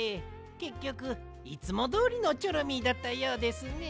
けっきょくいつもどおりのチョロミーだったようですね。